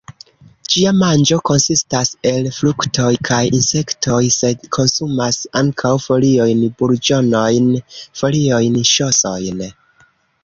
Ĝia manĝo konsistas el fruktoj kaj insektoj, sed konsumas ankaŭ foliojn, burĝonojn, foliojn, ŝosojn.